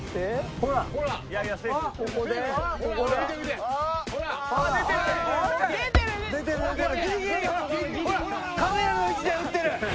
ほらカメラの位置で打ってる！